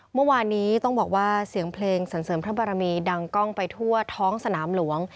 เมื่อวานนี้ต้องบอกว่าเสียงเพลงสรรเสริมพระบารมีดังกล้องไปทั่วท้องสนามหลวง